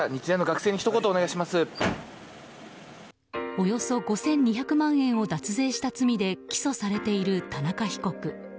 およそ５２００万円を脱税した罪で起訴されている田中被告。